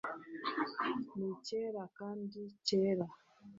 ni cyera kandi cyera